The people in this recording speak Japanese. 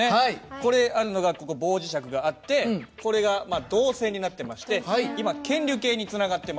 これあるのが棒磁石があってこれが導線になってまして今検流計につながってます。